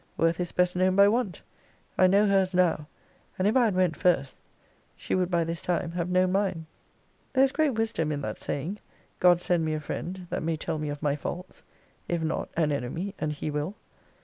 Worth is best known by want! I know her's now; and if I had went first, she would by this time have known mine. There is great wisdom in that saying, God send me a friend, that may tell me of my faults: if not, an enemy, and he will.